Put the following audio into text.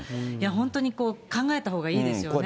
本当に考えたほうがいいですよね。